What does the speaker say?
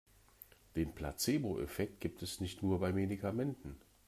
Den Placeboeffekt gibt es nicht nur bei Medikamenten.